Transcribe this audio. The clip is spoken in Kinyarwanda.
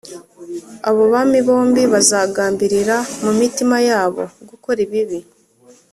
Abo bami bombi bazagambirira mu mitima yabo gukora ibibi